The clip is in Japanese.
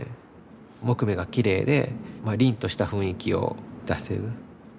木目がきれいでりんとした雰囲気を出せる。